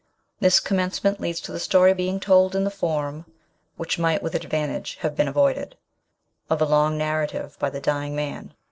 This commencement leads to the story being told in the form (which might with advantage have been avoided) of a long narrative by the dying man.